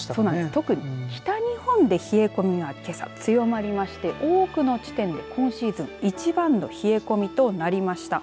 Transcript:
特に北日本で冷え込みが強まりまして多くの地点で今シーズンいちばんの冷え込みとなりました。